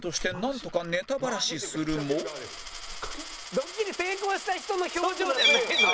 ドッキリ成功した人の表情じゃないのよ。